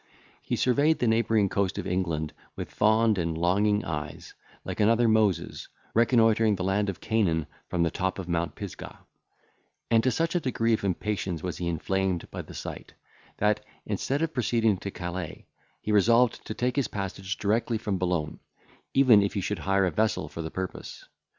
He surveyed the neighbouring coast of England with fond and longing eyes, like another Moses, reconnoitring the land of Canaan from the top of Mount Pisgah; and to such a degree of impatience was he inflamed by the sight, that, instead of proceeding to Calais, he resolved to take his passage directly from Boulogne, even if he should hire a vessel for the purpose.